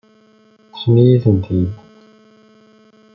Ṭṭfen-iyi-tent-id.